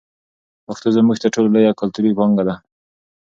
پښتو زموږ تر ټولو لویه کلتوري پانګه ده.